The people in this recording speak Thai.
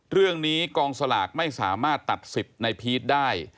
เรื่องนี้กองสลากไม่สามารถตัดสิทธิ์ในพีชได้